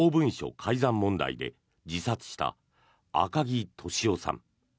改ざん問題で自殺した赤木俊夫さん。